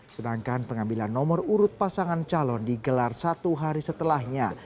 sedangkan pengambilan nomor urut pasangan calon digelar satu hari setelahnya